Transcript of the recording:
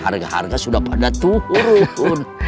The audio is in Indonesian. harga harga sudah pada turun